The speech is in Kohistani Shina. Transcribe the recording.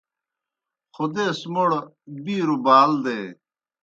خودیس موْڑ بِیروْ بال دے۔